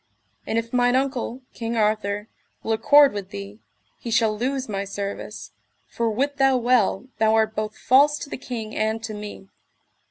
And if mine uncle, King Arthur, will accord with thee, he shall lose my service, for wit thou well thou art both false to the king and to me.